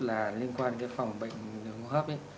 là liên quan đến phòng bệnh đường hô hấp